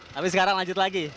tapi sekarang lanjut lagi